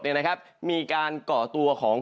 เนี่ยนะครับมีการก่อตัวของ